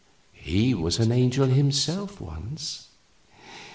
he was an angel himself, once."